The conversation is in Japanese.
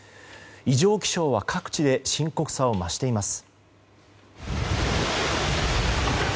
異常気象は各地で深刻さを増しています。